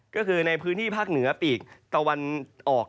ก็คือในพื้นที่ภาคเหนือปีกตะวันออก